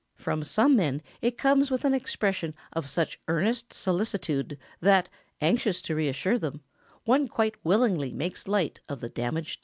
From some men it comes with an expression of such earnest solicitude that, anxious to reassure them, one quite willingly makes light of the damage done.